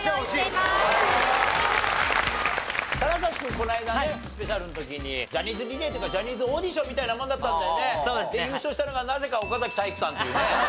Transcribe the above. この間ねスペシャルの時にジャニーズリレーっていうかジャニーズオーディションみたいなものだったんだよね？で優勝したのがなぜか岡崎体育さんというね。